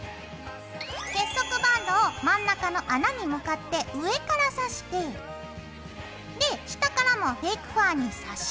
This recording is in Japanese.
結束バンドを真ん中の穴に向かって上から挿して下からもフェイクファーに挿します。